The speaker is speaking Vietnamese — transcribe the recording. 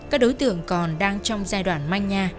các đối tượng còn đang trong giai đoạn manh nha